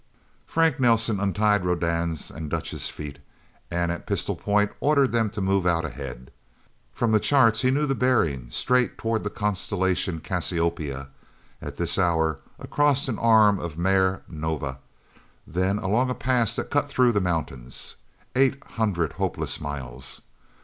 Frank Nelsen untied Rodan's and Dutch's feet, and, at pistol point, ordered them to move out ahead. From the charts he knew the bearing straight toward the constellation Cassiopeia, at this hour, across an arm of Mare Nova, then along a pass that cut through the mountains. Eight hundred hopeless miles...!